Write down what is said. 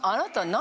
何？